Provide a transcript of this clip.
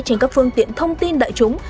trên các phương tiện thông tin đại chúng